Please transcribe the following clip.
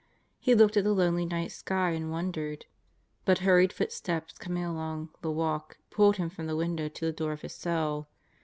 He looked at the lonely night sky and wondered. But hurried footsteps coming along "the walk" pulled him from the window to the door of his cell.